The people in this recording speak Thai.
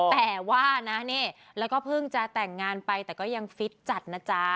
แต่ว่านะนี่แล้วก็เพิ่งจะแต่งงานไปแต่ก็ยังฟิตจัดนะจ๊ะ